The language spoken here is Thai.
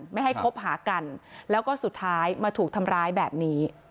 ไม่ให้คบหากันแล้วก็สุดท้ายมาถูกทำร้ายแบบนี้